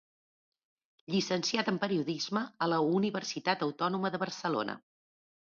Llicenciat en periodisme a la Universitat Autònoma de Barcelona.